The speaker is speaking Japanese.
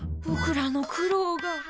ぼくらの苦労が。